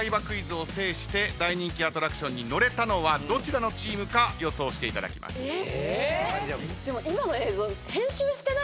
クイズを制して大人気アトラクションに乗れたのはどちらのチームか予想していただきます。